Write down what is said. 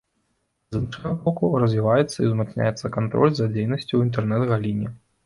З іншага боку, развіваецца і ўзмацняецца кантроль за дзейнасцю ў інтэрнэт-галіне.